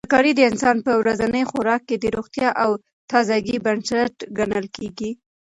ترکاري د انسان په ورځني خوراک کې د روغتیا او تازګۍ بنسټ ګڼل کیږي.